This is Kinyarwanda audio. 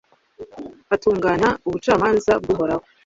atunganya ubucamanza bw'uhoraho